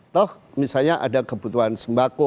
toh misalnya ada kebutuhan sembako